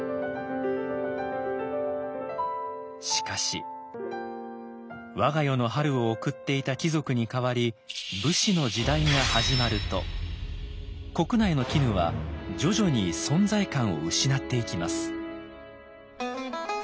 しかし我が世の春を送っていた貴族に代わり武士の時代が始まると国内の絹は徐々に存在感を失っていきます。